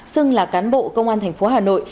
xưng là cán bộ công an thành phố hà nội